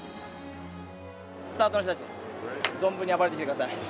スタートの人たち存分に暴れてきてください。